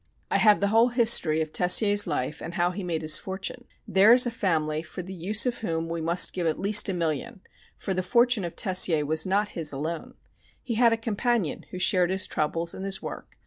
I have the whole history of Tessier's life and how he made his fortune. There is a family for the use of whom we must give at least a million, for the fortune of Tessier was not his alone. He had a companion who shared his troubles and his work.